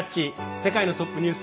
世界のトップニュース」。